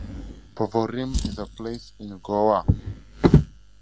Porvorim is a place in Goa.